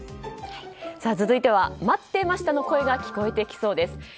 続いては、待ってましたの声が聞こえてきそうです。